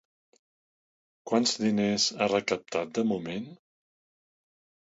Quants diners ha recaptat de moment?